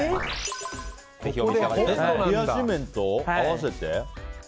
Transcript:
これを冷やし麺と合わせて？